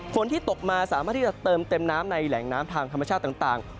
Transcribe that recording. ฝนที่ตกมาสามารถที่จะเติมเต็มน้ำในแหล่งน้ำทางธรรมชาติต่าง